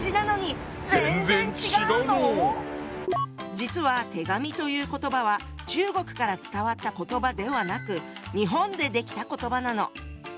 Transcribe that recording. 実は「手紙」という言葉は中国から伝わった言葉ではなく日本で出来た言葉なの。